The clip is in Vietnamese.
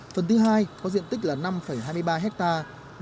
phần thứ hai có diện tích là năm hai mươi ba hectare